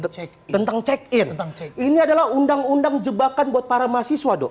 kecek tentang check in account ini adalah undang undang jebakan buat para mahasiswa